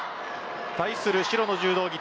対する白の柔道着